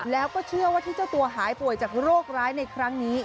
แล้วก็เชื่อว่าที่เจ้าตัวหายป่วยจากโรคร้ายในครั้งนี้